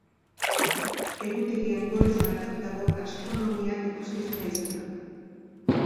Egutegian gorriz markatutako astronomia ikuskizuna izan da.